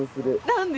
何で？